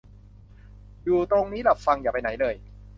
อยู่ตรงนี้ล่ะฟัง อย่าไปไหนเลย